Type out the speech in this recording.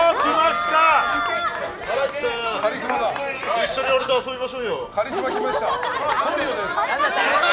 一緒に俺と遊びましょうよ。